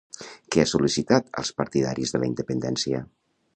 Què ha sol·licitat als partidaris de la independència?